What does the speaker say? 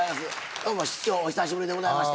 どうも室長お久しぶりでございまして。